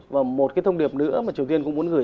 và một cái thông điệp nữa mà triều tiên cũng muốn gửi